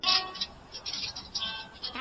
هغوی د پاکو اوبو په څښلو بوخت دي.